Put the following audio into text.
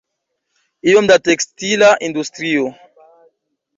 Iom da tekstila industrio.